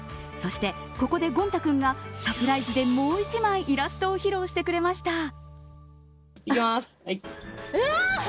そして、ここでゴンタ君がサプライズでもう１枚イラストを披露してくれました。